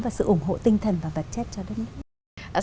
và sự ủng hộ tinh thần và vật chất cho đất nước